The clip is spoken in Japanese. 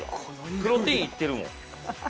プロテインいってるもん。